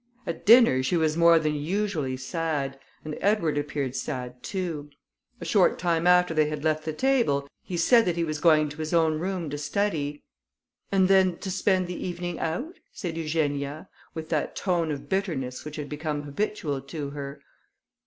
At dinner she was more than usually sad, and Edward appeared sad too. A short time after they had left the table, he said that he was going to his own room to study; "And then to spend the evening out?" said Eugenia, with that tone of bitterness which had become habitual to her.